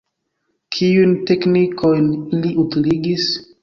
Kiujn teknikojn ili utiligis?